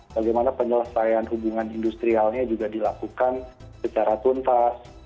bagaimana penyelesaian hubungan industrialnya juga dilakukan secara tuntas